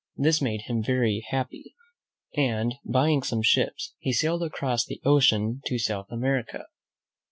This made him very happy, and, buying some ships, he sailed across the ocean to South America.